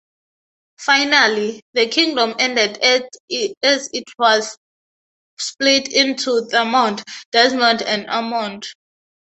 Finally, the kingdom ended as it was split into Thomond, Desmond and Ormond.